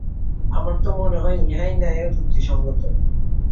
আমার তো মনে হয়, ইহাই ন্যায় ও যুক্তিসঙ্গত।